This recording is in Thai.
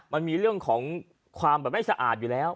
มันมีเรื่องของความแบบไม่สะอาดอยู่แล้ว